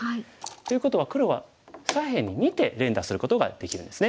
ということは黒は左辺に２手連打することができるんですね。